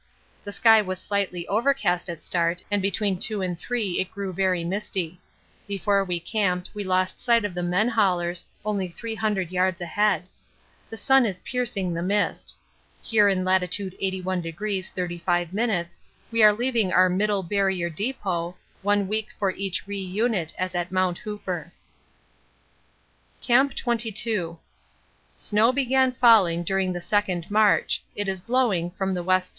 The sky was slightly overcast at start and between two and three it grew very misty. Before we camped we lost sight of the men haulers only 300 yards ahead. The sun is piercing the mist. Here in Lat. 81° 35' we are leaving our 'Middle Barrier Depôt,' one week for each re unit as at Mount Hooper. Camp 22. Snow began falling during the second march; it is blowing from the W.S.